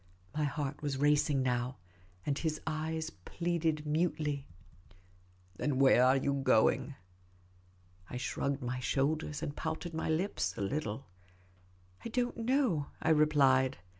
My heart was racing now, and his eyes pleaded mutely. " Then where are you going ?" I shrugged my shoulders, and pouted my lips a little. " I don't know," I replied.